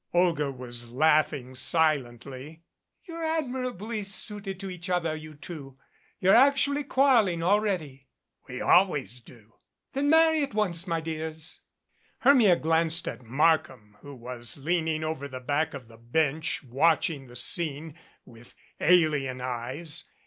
Olga was laughing silently. "You're admirably suited to each other, you two. You're actually quarreling already." "We always do " "Then marry at once, my dears." Hermia glanced at Markham, who was leaning over the back of the bench watching the scene with alien eyes.